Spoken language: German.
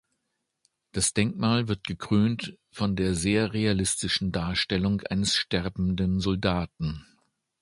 Das Denkmal wird gekrönt von der sehr realistischen Darstellung eines sterbenden Soldaten.